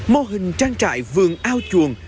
mô hình trang trại vườn ao chuồng